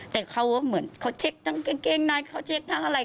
แต่เขาเหมือนเขาเช็คทั้งกางเกงในเขาเช็คทั้งอะไร